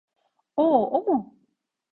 Oh, o mu?